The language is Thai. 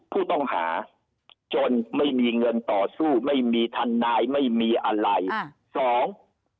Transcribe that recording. ผู้ต้องหาจนไม่มีเงินต่อสู้ไม่มีทนายไม่มีอะไรค่ะสอง